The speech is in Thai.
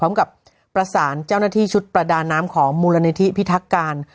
พร้อมกับประสานเจ้าหน้าที่ชุดประดาน้ำของมูลนิธิพิทักการ